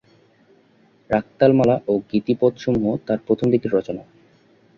রাগতালনামা ও গীতিপদসমূহ তাঁর প্রথম দিকের রচনা।